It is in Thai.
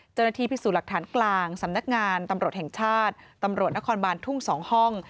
เจ้าหน้าที่พิสูจน์หลักฐานกลางสำนักงานตำรวจแห่งชาติตำรวจนครบานทุ่ง๒ห้อง